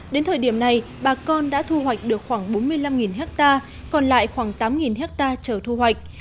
đến thời điểm này bà con đã thu hoạch được khoảng bốn mươi năm ha còn lại khoảng tám hectare chờ thu hoạch